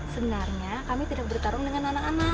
sebenarnya kami tidak bertarung dengan anak anak